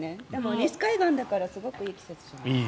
西海岸だからすごくいい季節じゃないかな。